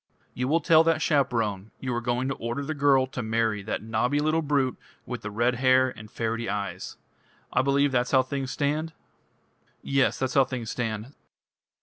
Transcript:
"You will tell that chaperone you are going to order the girl to marry that knobby little brute with the red hair and ferrety eyes. I believe that's how things stand?" "Yes that's how things stand."